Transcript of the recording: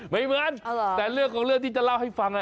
ไม่เหมือนแต่เรื่องของเรื่องที่จะเล่าให้ฟัง